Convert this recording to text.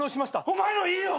お前のはいいよ！